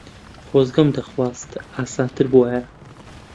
خۆزگەم دەخواست ئاسانتر بووایە.